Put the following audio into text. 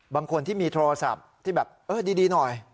บางคนที่มีโทรศัพท์ที่แบบเออดีหน่อย